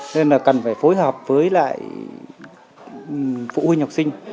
nên là cần phải phối hợp với lại phụ huynh học sinh